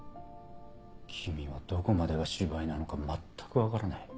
君はどこまでが芝居なのか全く分からない。